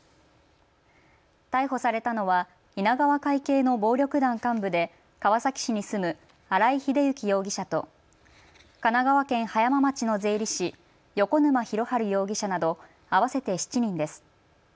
逮捕されたのは稲川会系の暴力団幹部で川崎市に住む新井秀幸容疑者と神奈川県葉山町の税理士、横沼弘晴容疑者など合わせて７人です。